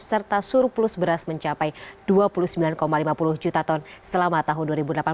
serta surplus beras mencapai dua puluh sembilan lima puluh juta ton selama tahun dua ribu delapan belas